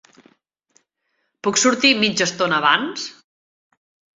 Puc sortir mitja estona abans?